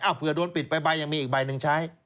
เผื่อโดนปิดไปใบยังมีอีกใบหนึ่งใช้